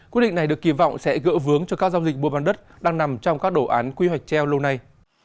quyết định này được kỳ vọng sẽ gỡ vướng cho các giao dịch mua bán đất đang nằm trong các đồ án quy hoạch treo lâu nay